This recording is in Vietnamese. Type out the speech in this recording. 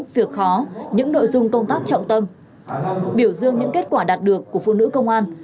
việc khó những nội dung công tác trọng tâm biểu dương những kết quả đạt được của phụ nữ công an